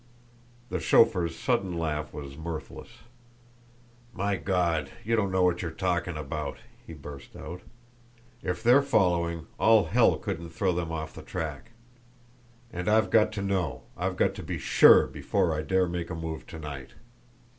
The chauffeur's sudden laugh was mirthless. "My God, you don't know what you are talking about!" he burst out. "If they're following, all hell couldn't throw them off the track. And I've got to know, I've got to be SURE before I dare make a move to night.